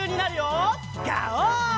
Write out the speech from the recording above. ガオー！